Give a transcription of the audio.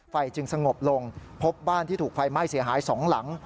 จึงสงบลงพบบ้านที่ถูกไฟไหม้เสียหาย๒หลัง